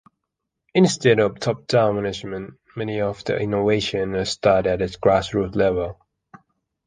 Instead of top-down management, many of the innovations are started at the grassroots level.